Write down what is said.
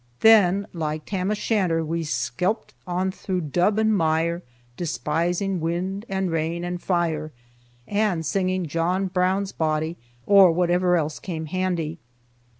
Then like Tam O'Shanter, we "skelpit on through dub and mire, despising wind, and rain, and fire," and singing "John Brown's Body," or whatever else came handy.